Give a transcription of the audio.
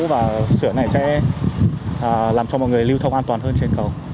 và sửa này sẽ làm cho mọi người lưu thông an toàn hơn trên cầu